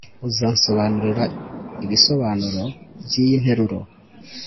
uzansobanurira ibisobanuro byiyi nteruro